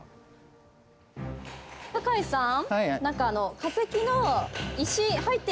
酒井さん